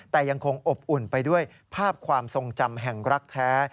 แต่ยังคงอบอุ่นไปด้วยภาพความทรงจำแห่งรักแท้